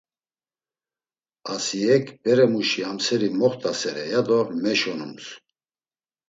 Asiyek beremuşi amseri moxtasere ya do meşonums.